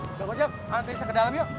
nggak ngojek anterin saya ke dalam yuk